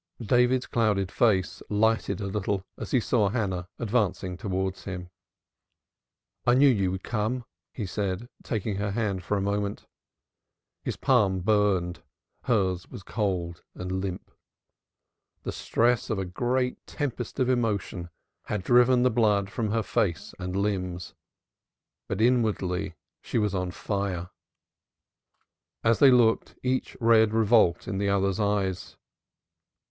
David's clouded face lightened a little as he saw Hannah advancing towards him. "I knew you would come," he said, taking her hand for a moment. His palm burned, hers was cold and limp. The stress of a great tempest of emotion had driven the blood from her face and limbs, but inwardly she was on fire. As they looked each read revolt in the other's eyes.